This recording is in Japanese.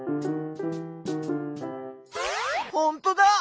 ほんとだ！